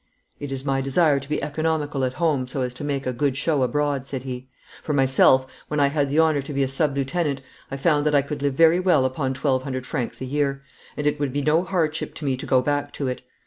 'It is my desire to be economical at home so as to make a good show abroad,' said he. 'For myself, when I had the honour to be a sub lieutenant I found that I could live very well upon 1,200 francs a year, and it would be no hardship to me to go back to it.